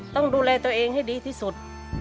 ต้องดูแลตัวเองให้ดีที่สุด